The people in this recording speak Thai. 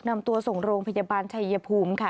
นำตัวส่งโรงพยาบาลชัยภูมิค่ะ